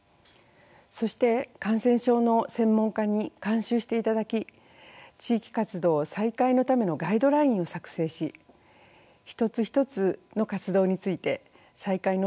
そして感染症の専門家に監修していただき地域活動再開のためのガイドラインを作成し一つ一つの活動について再開の方法を模索しました。